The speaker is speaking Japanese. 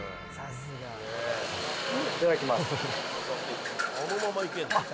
いただきます。